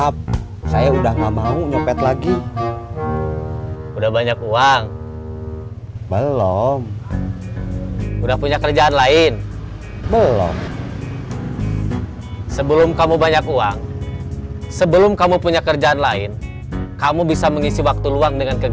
buat ngisi waktu luang